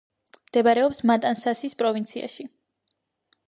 მდებარეობს მატანსასის პროვინციაში.